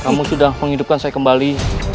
kamu sudah menghidupkan saya kembali